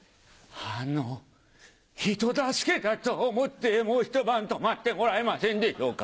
あの人助けだと思ってもう一晩泊まってもらえませんでしょうか。